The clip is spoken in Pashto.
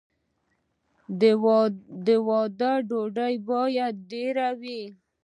د واده ډوډۍ باید ډیره وي.